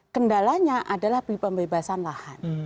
kendalanya adalah pembebasan lahan